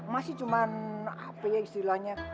masih cuma apa ya istilahnya